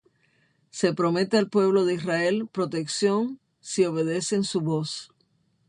Se promete al pueblo de Israel protección si obedecen su voz.